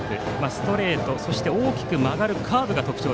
ストレート、そして大きく曲がるカーブが特徴。